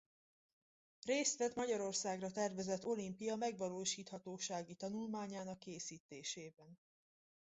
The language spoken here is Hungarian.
Részt vett Magyarországra tervezett olimpia megvalósíthatósági tanulmányának készítésében.